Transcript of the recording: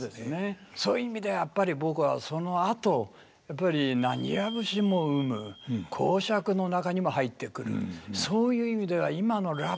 そういう意味ではやっぱり僕はそのあとやっぱり浪花節も生む講釈の中にも入ってくるそういう意味では今のラップにもねずっとつながっていく。